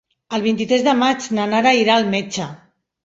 El vint-i-tres de maig na Nara irà al metge.